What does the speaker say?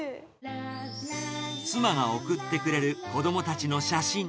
妻が送ってくれる子どもたちの写真。